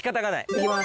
行きます。